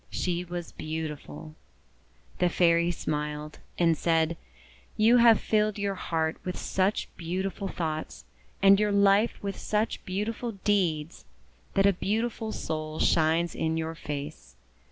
She was beautiful. The Fairy smiled, and said :— 'You have filled your heart with such beau tiful thoughts, and your Me with such beautiful deeds, that a beautiful soul shines in your face.